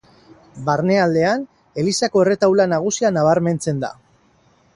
Barnealdean, elizako erretaula nagusia nabarmentzen da.